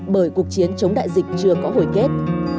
bởi cuộc chiến chống đại dịch chưa có hồi kết